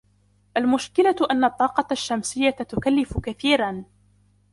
المشكلة أن الطاقة الشمسية تكلف كثيرا.